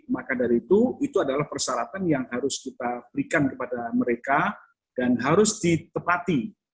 maka dari itu itu adalah persyaratan yang harus kita berikan kepada mereka dan harus ditepati